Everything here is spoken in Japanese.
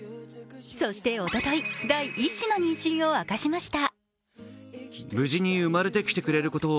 そしておととい第一子の妊娠を明かしました。